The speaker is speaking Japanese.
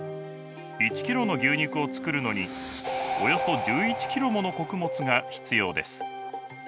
１ｋｇの牛肉を作るのにおよそ１１ｋｇもの穀物が必要です。